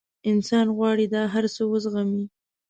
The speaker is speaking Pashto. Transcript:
انسان غواړي دا هر څه وزغمي.